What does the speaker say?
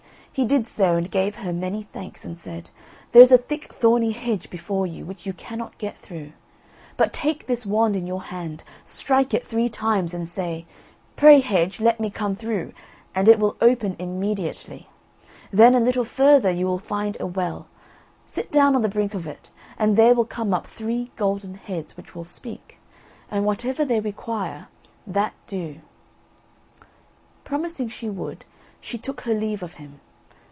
He did so, and gave her many thanks, and said: "There is a thick thorny hedge before you, which you cannot get through, but take this wand in your hand, strike it three times, and say, 'Pray, hedge, let me come through,' and it will open immediately; then, a little further, you will find a well; sit down on the brink of it, and there will come up three golden heads, which will speak; and whatever they require, that do." Promising she would, she took her leave of him.